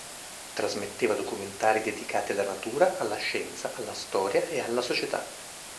Trasmetteva documentari dedicati alla natura, alla scienza, alla storia e alla società.